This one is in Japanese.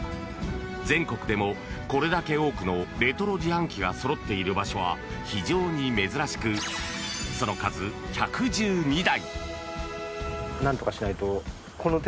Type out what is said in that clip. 全国でもこれだけ多くのレトロ自販機がそろっている場所は非常に珍しくその数１１２台。